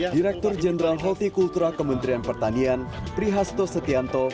direktur jenderal holti kultura kementerian pertanian prihasto setianto